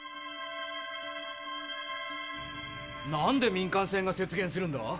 なんで民間船が接舷するんだ？